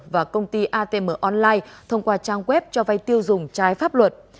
và công ty atm online thông qua trang web cho vay tiêu dùng trái pháp luật